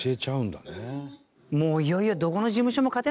もういよいよ。